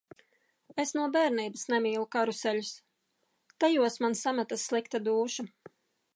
Es no bērnības nemīlu karuseļus. Tajos man sametas slikta dūša!